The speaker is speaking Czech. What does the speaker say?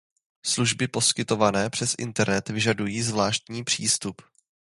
Služby poskytované přes internet vyžadují zvláštní přístup.